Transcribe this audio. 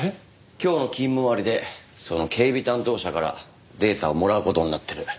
今日の勤務終わりでその警備担当者からデータをもらう事になってる。